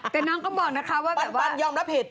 แต่น้องก็บอกนะคะว่าปัจจุบันยอมรับผิด